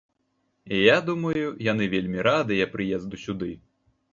Я думаю, яны вельмі радыя прыезду сюды.